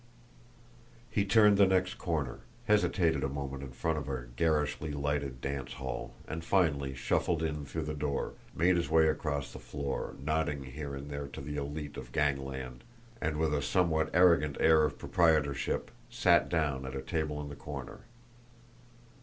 He turned the next corner, hesitated a moment in front of a garishly lighted dance hall, and finally shuffled in through the door, made his way across the floor, nodding here and there to the elite of gangland, and, with a somewhat arrogant air of proprietorship, sat down at a table in the corner.